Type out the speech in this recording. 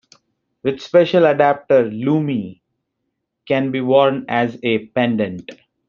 With special adapter, "Lumi" can be worn as a pendant.